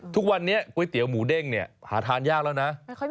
ทุกวันนี้ก๋วยเตี๋ยวหมูเด้งเนี่ยหาทานยากแล้วนะ